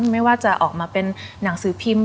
ไม่ว่าจะออกมาเป็นหนังสือพิมพ์